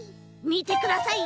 みてください。